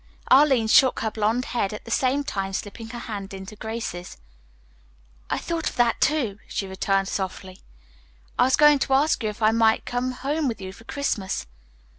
Arline shook her blonde head, at the same time slipping her hand into Grace's. "I thought of that, too," she returned softly. "I was going to ask you if I might go home with you for Christmas.